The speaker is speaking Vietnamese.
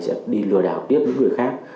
sẽ đi lừa đảo tiếp những người khác